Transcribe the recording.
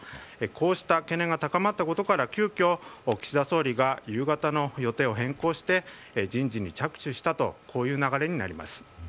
こうした懸念が高まったことから急きょ、岸田総理が夕方の予定を変更して人事に着手したという流れになります。